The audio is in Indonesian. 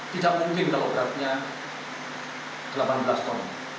tidak mungkin kalau beratnya delapan belas ton